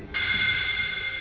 tapi sepertinya tidak mudah